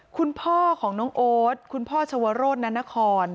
คุณพ่อของน้องโอ๊ตคุณพ่อชวโรธนานคร